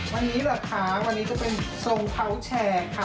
วันนี้แบบค้างวันนี้ก็เป็นทรงเค้าแชร์ค่ะ